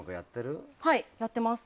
はい、やってます。